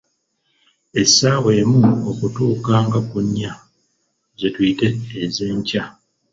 Essaawa emu okutuuka nga ku nnya, ze tuyita ez'enkya.